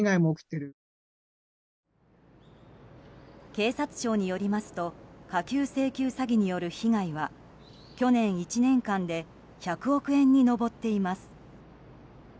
警察庁によりますと架空請求詐欺による被害は去年１年間で１００億円に上っています。